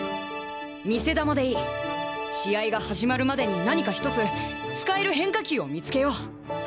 見せ球でいい試合が始まるまでに何か一つ使える変化球を見つけよう。